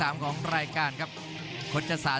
ฟ้ายน้ำเงินน้ำเกาครับฟ้ายแดงน้ำสด